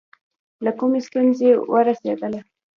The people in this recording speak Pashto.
له کومې ستونزې ورسېدله.